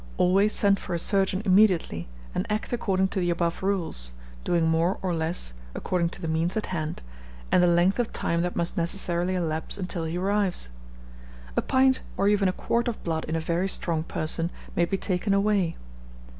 Always send for a surgeon immediately, and act according to the above rules, doing more or less, according to the means at hand, and the length of time that must necessarily elapse until he arrives. A pint, or even a quart of blood in a very strong person, may be taken away.